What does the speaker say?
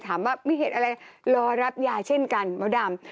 ถามว่ามีเหตุอะไรรอรับยาเช่นกันมดดำ